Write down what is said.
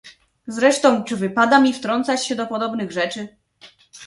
"Zresztą, czy wypada mi wtrącać się do podobnych rzeczy?"